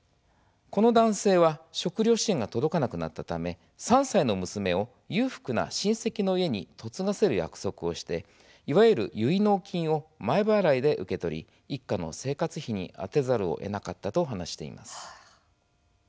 この男性は食料支援が届かなくなったため３歳の娘を裕福な親戚の家に嫁がせる約束をしていわゆる結納金を前払いで受け取り一家の生活費に充てざるをえなかったと話しています。